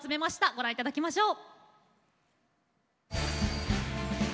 ご覧いただきましょう。